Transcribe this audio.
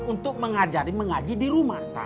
untuk mengajari mengaji di rumah